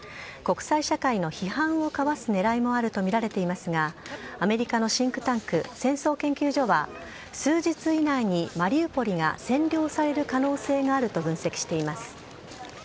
国際社会の批判をかわす狙いもあるとみられていますがアメリカのシンクタンク戦争研究所は数日以内にマリウポリが占領される可能性があると分析しています。